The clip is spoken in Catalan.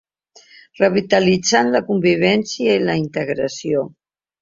Revitalitzant la convivència i la integració.